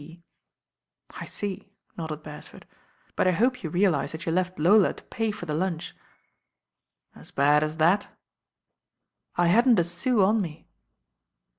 P." "I see," nodded Beresford, "but J hope you realise that you left Lola to pay for the lunch." "As bad as that?" "I hadn't a sou on me."